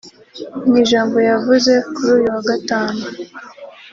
Mu ijambo yavuze kuri uyu wa Gatanu